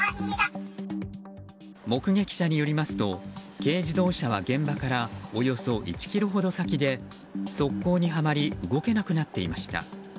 目撃者によりますと軽自動車は現場からおよそ１ｋｍほど先で側溝にはまり動けなくなっていました。